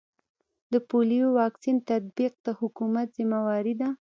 د پولیو واکسین تطبیق د حکومت ذمه واري ده